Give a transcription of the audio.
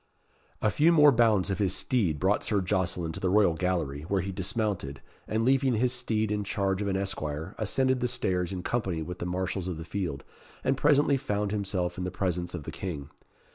A few more bounds of his steed brought Sir Jocelyn to the royal gallery, where he dismounted, and leaving his steed in charge of an esquire, ascended the stairs in company with the marshals of the field, and presently found himself in the presence of the King.